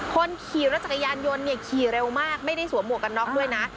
คนขี่รถจักรยานยนต์เนี่ยขี่เร็วมากไม่ได้สวมหวกกันน็อกด้วยนะ